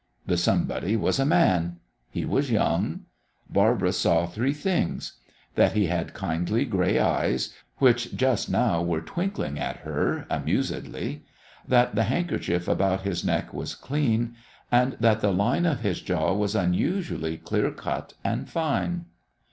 The somebody was a man. He was young. Barbara saw three things that he had kindly gray eyes, which just now were twinkling at her amusedly; that the handkerchief about his neck was clean; and that the line of his jaw was unusually clear cut and fine.